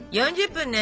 ４０分ね！